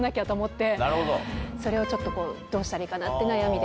それをちょっとこうどうしたらいいかなって悩みです。